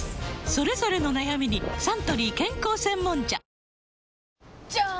それぞれの悩みにサントリー健康専門茶じゃーん！